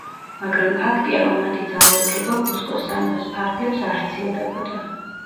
მაგრამ ფაქტია, რომ მათი ძალაუფლება კუსკოს სამეფოს ფარგლებს არ სცილდებოდა.